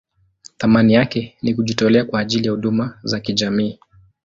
Thamani yake ni kujitolea kwa ajili ya huduma za kijamii.